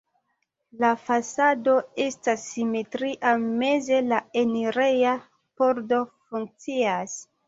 La fasado estas simetria, meze la enireja pordo funkcias.